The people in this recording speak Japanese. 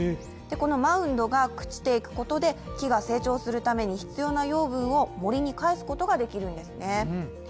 このマウンドが朽ちていくことで木が成長するために必要な養分を森に帰すことができるんですね。